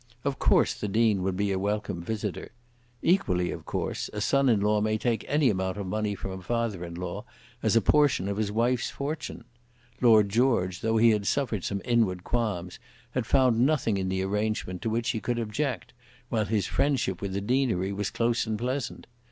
Of course the Dean would be a welcome visitor. Equally, of course, a son in law may take any amount of money from a father in law as a portion of his wife's fortune. Lord George, though he had suffered some inward qualms, had found nothing in the arrangement to which he could object while his friendship with the deanery was close and pleasant.